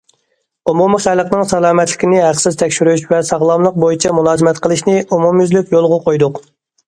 ئومۇمىي خەلقنىڭ سالامەتلىكىنى ھەقسىز تەكشۈرۈش ۋە ساغلاملىق بويىچە مۇلازىمەت قىلىشنى ئومۇميۈزلۈك يولغا قويدۇق.